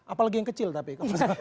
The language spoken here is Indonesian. apalagi yang kecil tapi